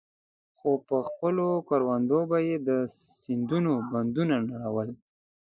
خو پر خپلو کروندو به يې د سيندونو بندونه نړول.